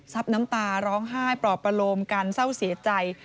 น้ำตาร้องไห้ปลอบประโลมกันเศร้าเสียใจ